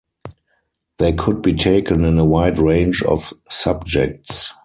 They could be taken in a wide range of subjects.